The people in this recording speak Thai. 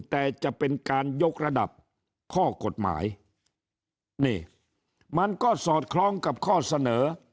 แต่จะเป็นการยกระดับข้อกฎหมายนี่มันก็สอดคล้องกับข้อเสนอ